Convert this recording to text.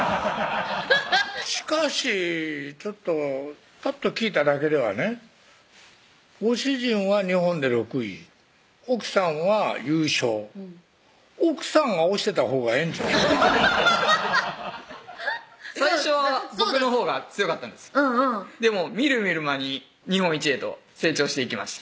しかしちょっとぱっと聞いただけではねご主人は日本で６位奥さんは優勝奥さんが教えたほうがええんちゃう最初は僕のほうが強かったんですでもみるみる間に日本一へと成長していきました